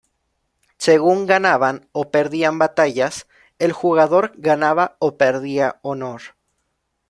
Según ganaban o perdían batallas, el jugador ganaba o perdía honor.